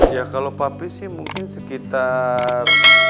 ya kalo papi sih mungkin sekitar